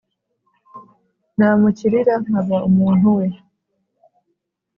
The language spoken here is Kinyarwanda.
Namukirira nkaba umuntu we